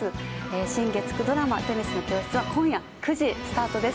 新月９ドラマ「女神の教室」は今夜９時スタートです。